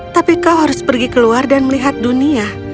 tapi kau harus pergi keluar dan melihat dunia